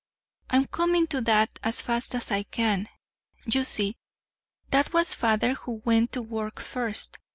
"I'm coming to that as fast as I can. You see, 'twas father who went to work first.